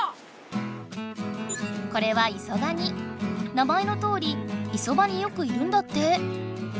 名前のとおりいそばによくいるんだって。